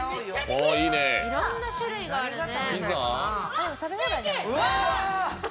いろんな種類があるね。